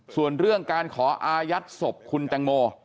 ส่วนเรื่องการขออายัดศพคุณแตงโม